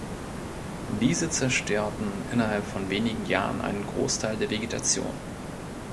Diese zerstörten innerhalb von wenigen Jahren einen Großteil der Vegetation.